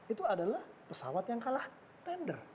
itu adalah pesawat yang kalah tender